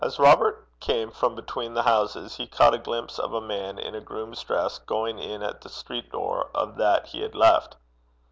As Robert came from between the houses, he caught a glimpse of a man in a groom's dress going in at the street door of that he had left.